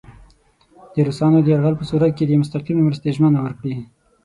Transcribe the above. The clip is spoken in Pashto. د روسانو د یرغل په صورت کې د مستقیمې مرستې ژمنه ورکړي.